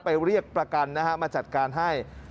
เรียกประกันนะฮะมาจัดการให้